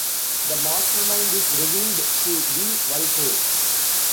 The mastermind is revealed to be Vulko.